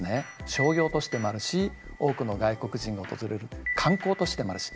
商業都市でもあるし多くの外国人が訪れる観光都市でもあるし